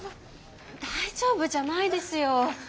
大丈夫じゃないですよ。